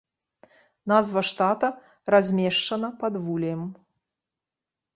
Назва штата размешчана пад вулеем.